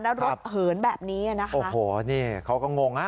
แล้วรถเหินแบบนี้อ่ะนะคะโอ้โหนี่เขาก็งงฮะ